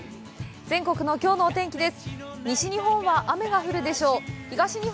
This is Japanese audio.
全国のきょうのお天気です。